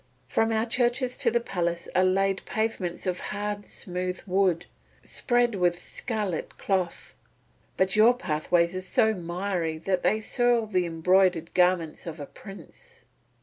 From our churches to the palace are laid pavements of hard smooth wood, spread with scarlet cloth, but your pathways are so miry that they soil the embroidered garments of a Prince."